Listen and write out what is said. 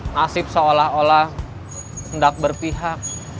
nasib seolah olah hendak berpihak